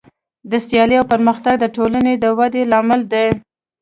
سیالي او پرمختګ د ټولنې د ودې لامل دی.